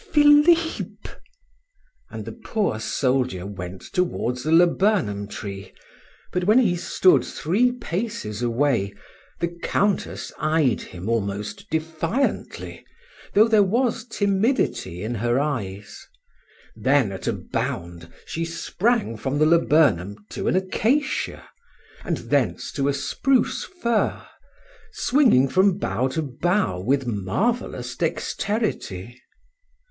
Philip!" and the poor soldier went towards the laburnum tree; but when he stood three paces away, the Countess eyed him almost defiantly, though there was timidity in her eyes; then at a bound she sprang from the laburnum to an acacia, and thence to a spruce fir, swinging from bough to bough with marvelous dexterity.